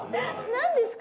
何ですか？